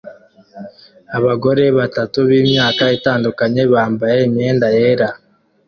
Abagore batatu b'imyaka itandukanye bambaye imyenda yera